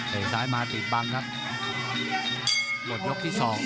เหล่าซ้ายมาติดบังครับ